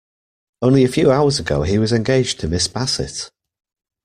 Only a few hours ago he was engaged to Miss Bassett.